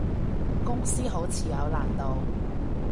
公司好似有難度